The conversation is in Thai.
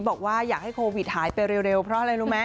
บอกว่าอยากให้โควิดหายไปเร็วเพราะอะไรรู้ไหม